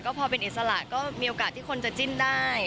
พอเป็นอิสระก็มีโอกาสที่คนจะจิ้นได้